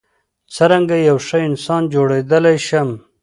څرنګه یو ښه انسان جوړیدای شم.